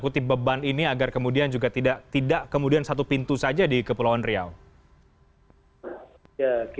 terima kasih pak